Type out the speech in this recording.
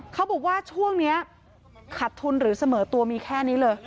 เขาบอกว่าช่วงนี้ขาดทุนหรือเสมอตัวมีแค่นี้เลย